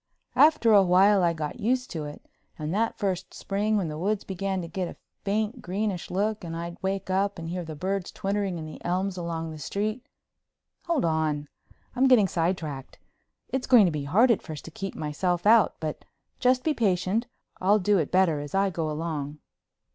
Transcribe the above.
After a while I got used to it and that first spring when the woods began to get a faint greenish look and I'd wake up and hear birds twittering in the elms along the street—hold on! I'm getting sidetracked. It's going to be hard at first to keep myself out, but just be patient, I'll do it better as I go along.